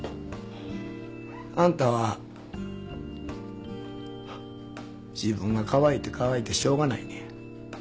あんたは自分がかわいいてかわいいてしょうがないのや。